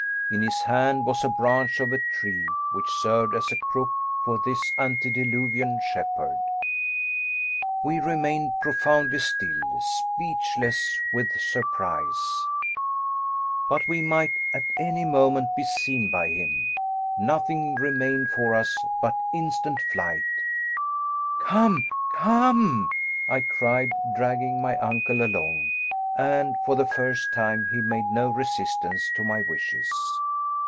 In his hand was a branch of a tree, which served as a crook for this antediluvian shepherd. We remained profoundly still, speechless with surprise. But we might at any moment be seen by him. Nothing remained for us but instant flight. "Come, come!" I cried, dragging my uncle along; and, for the first time, he made no resistance to my wishes.